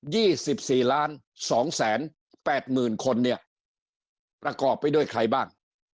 ี่สิบสี่ล้านสองแสนแปดหมื่นคนเนี่ยประกอบไปด้วยใครบ้าง